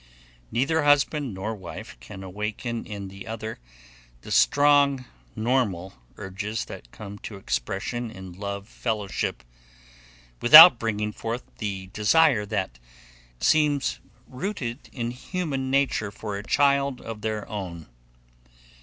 Neither husband nor wife can awaken in the other the strong normal urges that come to expression in love fellowship, without bringing forth the desire that seems rooted in human nature for a child of their own.